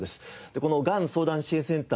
このがん相談支援センター